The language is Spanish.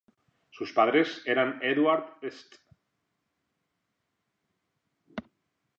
Sus padres eran Edward St.